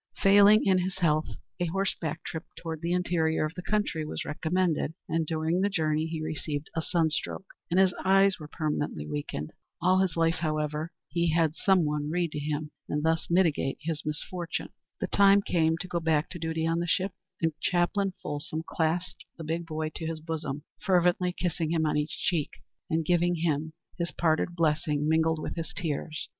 Failing in his health, a horseback trip toward the interior of the country was recommended, and during the journey he received a sunstroke, and his eyes were permanently weakened. All his life, however, he had some one read to him, and thus mitigate his misfortune. The time came to go back to duty on the ship, and Chaplain Folsom clasped the big boy to his bosom, fervently kissing him on each cheek, and giving him his parting blessing mingled with his tears.